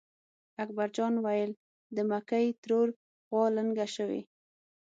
اکبر جان وېل: د مکۍ ترور غوا لنګه شوې.